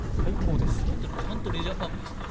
思ったよりちゃんとレジャーパークですね。